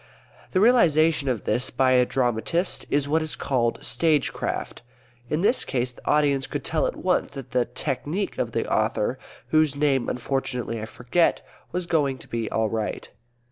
The realisation of this, by a dramatist, is what is called "stagecraft." In this case the audience could tell at once that the "technique" of the author (whose name unfortunately I forget) was going to be all right.